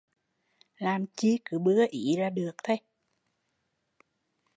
Làm chi cứ bưa ý là được